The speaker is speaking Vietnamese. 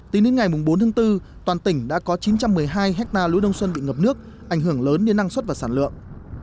tính đến ngày bốn tháng bốn toàn tỉnh đã có chín trăm một mươi hai hectare lúa đông xuân bị ngập nước ảnh hưởng lớn đến năng suất và sản lượng